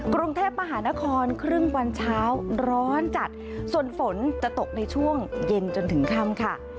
กรุงเทพมหานครครึ่งวันเช้าร้อนจัดส่วนฝนจะตกในช่วงเย็นจนถึงค่ำค่ะ